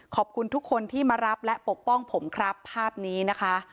ขอบคุณทุกคนที่มารับและปกป้องผมครับภาพนี้นะคะ